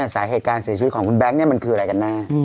สาเหตุการเสียชีวิตของคุณแบงค์มันคืออะไรกันแน่